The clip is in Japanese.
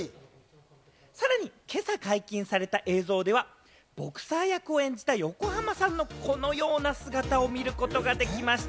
さらに今朝解禁された映像では、ボクサー役を演じた横浜さんのこのような姿を見ることができました。